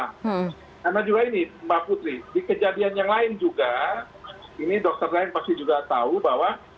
karena juga ini mbak putri di kejadian yang lain juga ini dokter lain pasti juga tahu bahwa